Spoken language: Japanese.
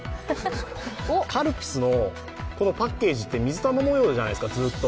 カルピスのパッケージって水玉模様じゃないですか。